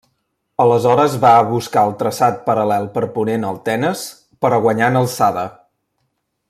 Aleshores va a buscar el traçat paral·lel per ponent al Tenes, però guanyant alçada.